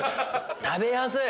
食べやすい！